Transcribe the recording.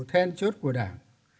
then chốt của đảng